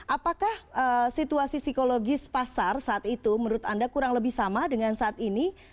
apakah situasi psikologis pasar saat itu menurut anda kurang lebih sama dengan saat ini